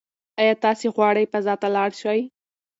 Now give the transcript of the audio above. ایا تاسي غواړئ فضا ته لاړ شئ؟